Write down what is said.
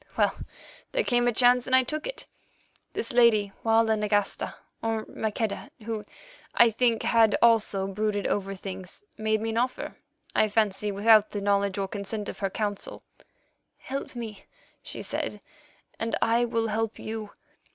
Well, there came a chance, and I took it. This lady, Walda Nagasta, or Maqueda, who, I think, had also brooded over things, made me an offer—I fancy without the knowledge or consent of her Council. 'Help me,' she said, 'and I will help you.